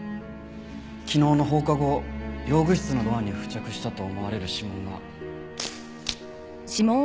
昨日の放課後用具室のドアに付着したと思われる指紋が。